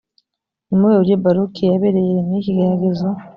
ni mu buhe buryo baruki yabereye yeremiya ikigeragezo?